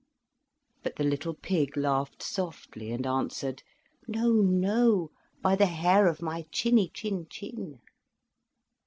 But the little pig laughed softly, and answered: "No, no, by the hair of my chinny chin chin."